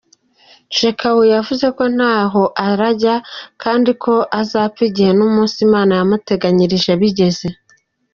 Shekau yavuze ko ntaho arajya kandi ko azapfa igihe n’umunsi Imana yamuteganyirije bigeze.